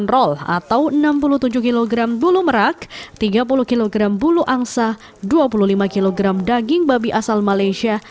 delapan roll atau enam puluh tujuh kg bulu merak tiga puluh kg bulu angsa dua puluh lima kg daging babi asal malaysia